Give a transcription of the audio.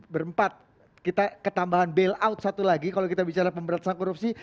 berempat kita ketambahan bailout satu lagi kalau kita bicara pemberantasan korupsi